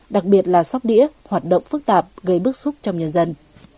đặc biệt là sóc đĩa hoạt động phức tạp gây bức xúc trong nhân dân